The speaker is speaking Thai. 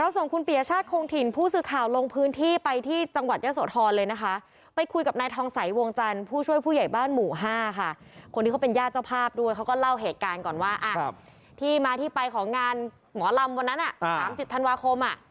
ที่มาที่ไปของงานหมอลำวันนั้น๓จิตธันวาคม